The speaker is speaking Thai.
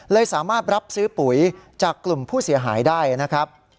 สามารถรับซื้อปุ๋ยจากกลุ่มผู้เสียหายได้นะครับ